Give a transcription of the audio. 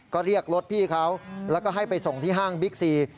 ก็เรียกรถพี่เขาแล้วก็ให้ไปส่งที่ห้างบิ๊กซี